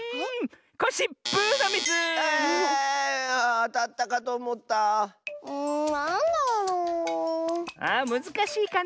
あむずかしいかね。